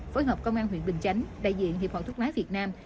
phối hợp công an huyện bình chánh đại diện hiệp hội thuốc lá việt nam